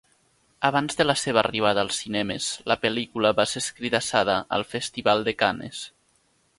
Abans de la seva arribada als cinemes, la pel·lícula va ser escridassada al festival de Cannes.